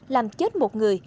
làm chết một người